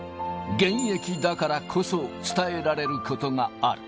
現役だからこそ、伝えられることがある。